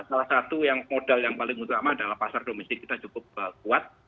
salah satu yang modal yang paling utama adalah pasar domestik kita cukup kuat